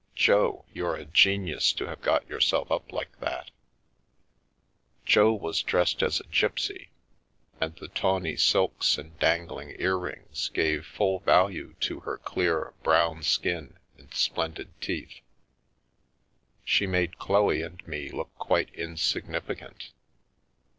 Jo, you're a genius to have got yourself up like that I " Jo was dressed as a gipsy, and the tawny silks and dangling earrings gave full value to her clear, brown skin and splendid teeth ; she made Chloe and me look quite insignificant.